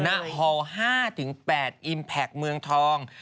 ณฮ๕๘อิมแพคเมืองทอง